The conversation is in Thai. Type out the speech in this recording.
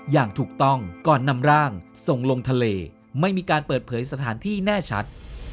อย่างถูกต้องก่อนนำร่างส่งลงทะเลไม่มีการเปิดเผยสถานที่แน่ชัด